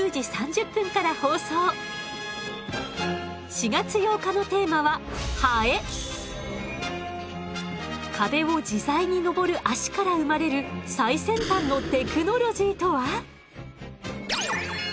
４月８日のテーマは壁を自在に登る脚から生まれる最先端のテクノロジーとは？